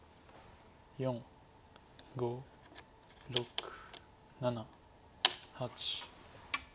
４５６７８。